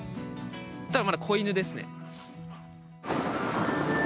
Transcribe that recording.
ただ、まだ子犬ですね。